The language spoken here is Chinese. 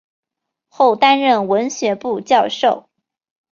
后担任文学部教授。